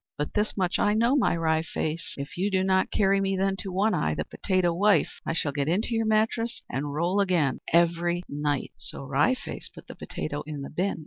But this much I know, my Wry Face, if you do not carry me then to One Eye, the potato wife, I shall get into your mattress and roll again every night!" So Wry Face put the potato in the bin.